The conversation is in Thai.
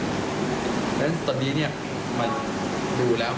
เพราะฉะนั้นตอนนี้มันดูแล้ว